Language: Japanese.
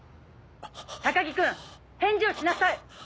高木君返事をしなさい。